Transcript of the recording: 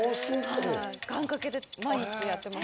願掛けで毎日やってます。